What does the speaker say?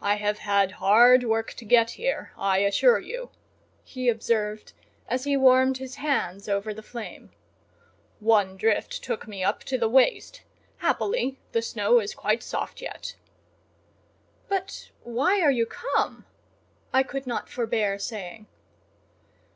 "I have had hard work to get here, I assure you," he observed, as he warmed his hands over the flame. "One drift took me up to the waist; happily the snow is quite soft yet." "But why are you come?" I could not forbear saying.